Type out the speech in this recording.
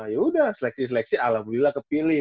yaudah seleksi seleksi alhamdulillah kepilih